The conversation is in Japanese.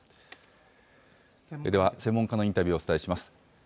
では、専門家のインタビューをお伝えします。